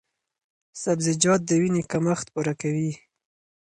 سبزیجات د وینې کمښت پوره کوي۔